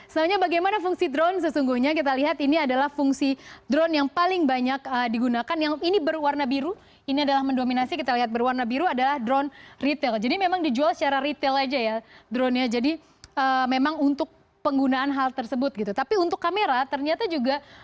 soalnya bagaimana fungsi drone sesungguhnya kita lihat ini adalah fungsi drone yang paling banyak digunakan yang ini berwarna biru ini adalah mendominasi kita lihat berwarna biru adalah drone retail jadi memang dijual secara retail aja ya drone nya jadi memang untuk penggunaan hal tersebut gitu tapi untuk kamera ternyata juga